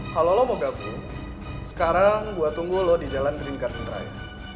kalo lu mau gabung sekarang gua tunggu lu di jalan green garden drive